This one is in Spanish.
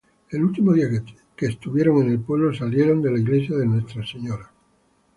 El último día que estuvieron en el pueblo, salieron de la iglesia de Ntra.